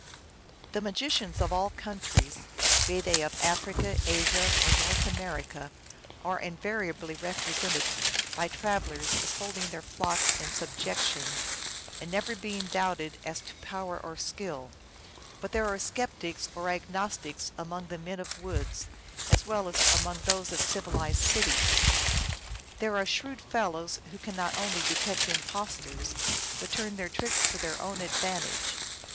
The magicians of all countries, be they of Africa, Asia, or North America, are invariably represented by travelers as holding their flock in subjection, and never being doubted as to power or skill. But there are skeptics or Agnostics among the men of the woods as well as among those of civilized cities. There are shrewd fellows who cannot only detect impostors, but turn their tricks to their own advantage.